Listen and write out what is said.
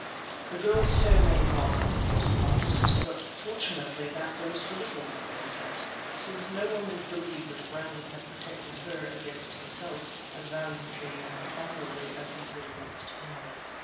The girl's fair name was, of course, lost but, fortunately, that goes for little with a princess since no one would believe that Brandon had protected her against himself as valiantly and honorably as he would against another.